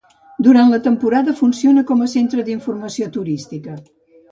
Durant la temporada, funciona com a centre d'informació turística.